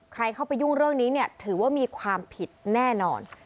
ใครเข้าไปยุ่งเรื่องนี้เนี่ยถือว่ามีความผิดแน่นอน